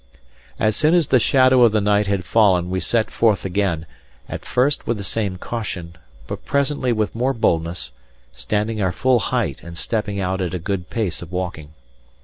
As soon as the shadow of the night had fallen, we set forth again, at first with the same caution, but presently with more boldness, standing our full height and stepping out at a good pace of walking.